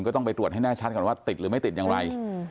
ก็ต้องไปตรวจให้แน่ชัดก่อนว่าติดหรือไม่ติดอย่างไร